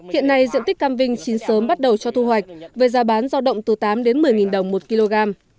hiện nay diện tích cam vinh chín sớm bắt đầu cho thu hoạch với giá bán giao động từ tám đến một mươi đồng một kg